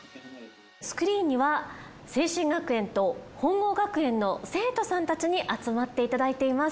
スクリーンには清真学園と本郷学園の生徒さんたちに集まっていただいています。